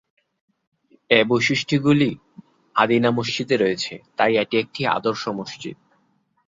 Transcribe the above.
এ বৈশিষ্ট্যগুলি আদিনা মসজিদে রয়েছে, তাই এটি একটি ‘আদর্শ’ মসজিদ।